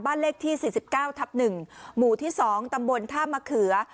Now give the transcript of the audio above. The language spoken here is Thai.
บ้านเลขที่สิบเก้าทับหนึ่งหมู่ที่สองตำบลท่ามะเขือ